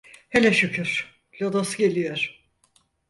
Hele şükür, lodos geliyor…